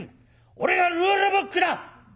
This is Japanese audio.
俺がルールブックだ！